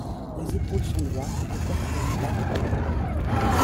Les épaules sont droites, le poitrail large.